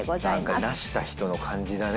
なんか成した人の感じだね。